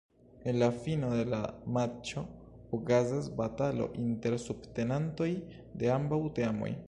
En la fino de la matĉo okazas batalo inter subtenantoj de ambaŭ teamoj.